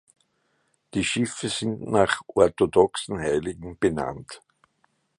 Die Schiffe sind nach orthodoxen Heiligen benannt.